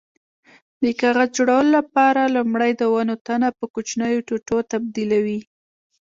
د کاغذ جوړولو لپاره لومړی د ونو تنه په کوچنیو ټوټو تبدیلوي.